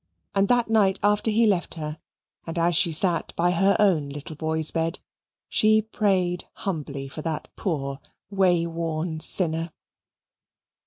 And that night after he left her, and as she sat by her own little boy's bed, she prayed humbly for that poor way worn sinner.